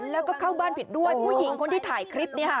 แล้วก็เข้าบ้านผิดด้วยผู้หญิงคนที่ถ่ายคลิปเนี่ยค่ะ